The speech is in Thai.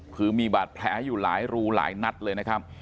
คือมีบาดแผลอยู่หลายรูหลายนัดเลยนะครับ